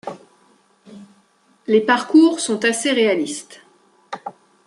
Les parcours sont assez réalistes.